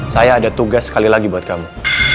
saya ada tugas sekali lagi buat kamu